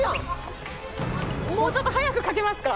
もうちょっと早く書けますか？